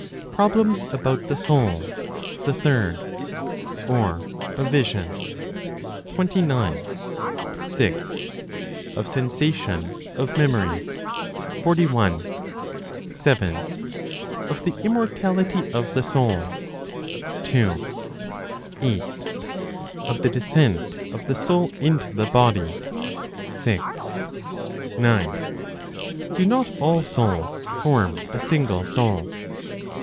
(Problems about the Soul, the Third, or) Of Vision, 29. 6. Of Sensation, of Memory, 41. 7. Of the Immortality of the Soul, 2. 8. Of the Descent of the Soul into the Body, 6. 9. Do not all Souls form a Single Soul?